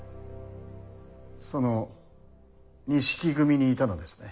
その錦組にいたのですね？